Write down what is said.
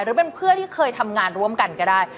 หรือเป็นเพื่อนที่เคยทำงานร่วมกันก็ได้